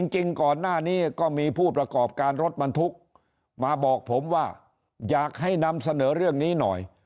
จริงก่อนหน้านี้ก็มีผู้ประกอบการรถบรรทุกมาบอกผมว่าอยากให้นำเสนอเรื่องนี้หน่อย